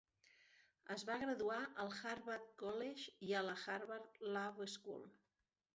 Es va graduar al Harvard College i a la Harvard Law School.